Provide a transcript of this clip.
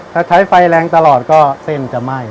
ถ้าใช้ไฟแรงตลอดก็เส้นจะไหม้